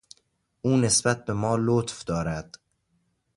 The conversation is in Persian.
او نسبت بما لطف دارد.